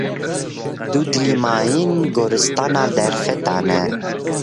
Dudilîmayîn, goristana derfetan e.